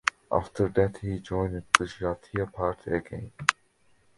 After that he joined the Jatiya Party again.